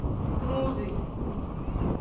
Nuzi.